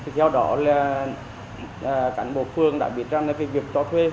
theo đó là cán bộ phường đã biết rằng là cái việc cho thuê